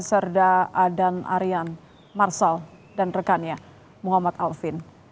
serda adan arian marsal dan rekannya muhammad alvin